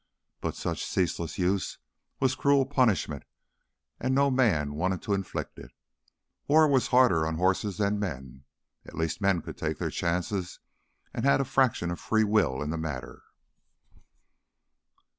But such ceaseless use was cruel punishment, and no man wanted to inflict it. War was harder on horses than men. At least the men could take their chances and had a fraction of free will in the matter.